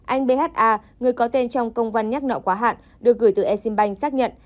anh bha người có tên trong công văn nhắc nợ quá hạn được gửi từ eximbank xác nhận